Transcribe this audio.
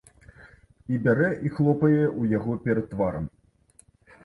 І бярэ і хлопае ў яго перад тварам.